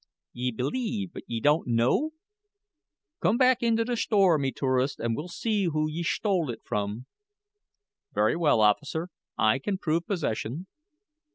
"Ye believe but ye don't know. Come back into the shtore, me tourist, and we'll see who ye shtole it from." "Very well, officer; I can prove possession."